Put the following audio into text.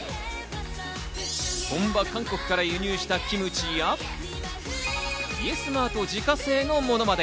本場韓国から輸入したキムチや、Ｙｅｓｍａｒｔ自家製のものまで。